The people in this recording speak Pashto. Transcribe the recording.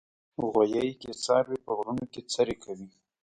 غویی کې څاروي په غرونو کې څرې کوي.